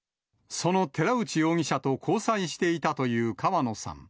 その寺内容疑者と交際していたという川野さん。